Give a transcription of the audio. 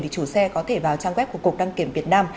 thì chủ xe có thể vào trang web của cục đăng kiểm việt nam